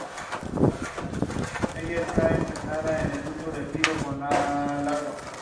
Sin embargo, están disponibles algunos amortiguadores comerciales.